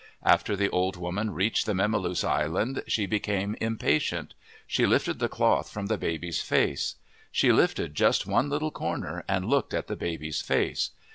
After the old woman reached the memaloose island, she became impatient. She lifted the cloth from the baby's face. She lifted just one little cor ner and looked at the baby's face.